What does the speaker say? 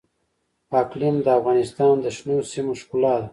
اقلیم د افغانستان د شنو سیمو ښکلا ده.